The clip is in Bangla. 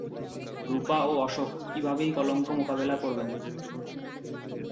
রুপা ও অশোক কীভাবে এই কলঙ্ক মোকাবেলা করবেন?